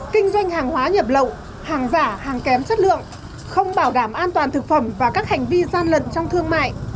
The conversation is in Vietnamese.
kinh doanh hàng hóa nhập lậu hàng giả hàng kém chất lượng không bảo đảm an toàn thực phẩm và các hành vi gian lận trong thương mại